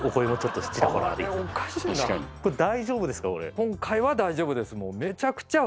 今回は大丈夫です！